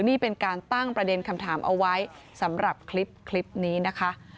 นี่เป็นการตั้งประเด็นคำถามเอาไว้สำหรับคลิปนี้นะคะ